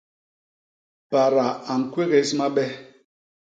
Pada a ñkwégés mabe.